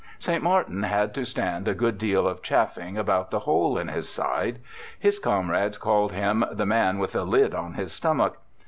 ^ St. Martin had to stand a good deal of chaffing about the hole in his side. His comrades called him 'the man with a lid on his stomach